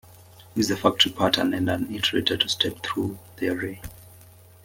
Use the factory pattern and an iterator to step through the array.